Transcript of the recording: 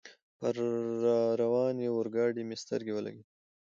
پر را روانې اورګاډي مې سترګې ولګېدلې.